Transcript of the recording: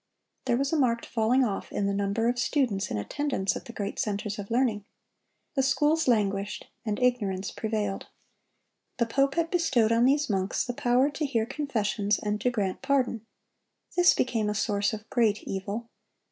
There was a marked falling off in the number of students in attendance at the great centers of learning. The schools languished, and ignorance prevailed. The pope had bestowed on these monks the power to hear confessions and to grant pardon. This became a source of great evil.